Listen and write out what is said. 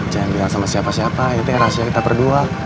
jangan bilang sama siapa dua ya teh rahasia kita berdua